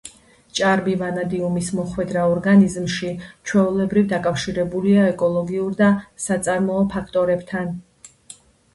ჭარბი ვანადიუმის მოხვედრა ორგანიზმში ჩვეულებრივ დაკავშირებულია ეკოლოგიურ და საწარმოო ფაქტორებთან.